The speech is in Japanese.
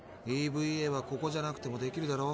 ＥＶＡはここじゃなくてもできるだろ。